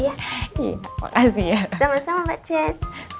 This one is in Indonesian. iya makasih ya sama sama mbak cez